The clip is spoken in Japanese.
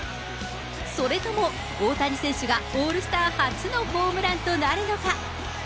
それとも、大谷選手がオールスター初のホームランとなるのか。